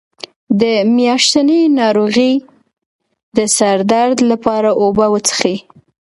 د میاشتنۍ ناروغۍ د سر درد لپاره اوبه وڅښئ